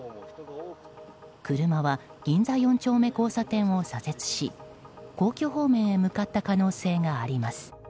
車は銀座４丁目交差点を左折し皇居方面へ向かった可能性があります。